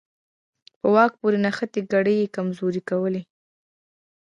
په واک پورې نښتې کړۍ یې کمزورې کولې.